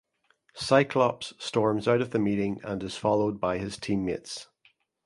Cyclops storms out of the meeting and is followed by his teammates.